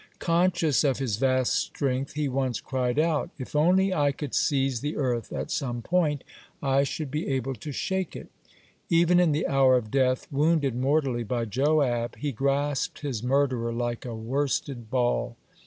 (85) Conscious of his vast strength he once cried out: "If only I could seize the earth at some point, I should be able to shake it." Even in the hour of death, wounded mortally by Joab, he grasped his murderer like a worsted ball.